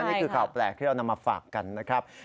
นี่คือข่าวแปลกที่เรานำมาฝากกันนะครับ